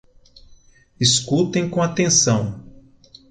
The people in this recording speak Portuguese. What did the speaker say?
escutem com atenção!